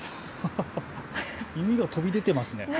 耳が飛び出ていますね。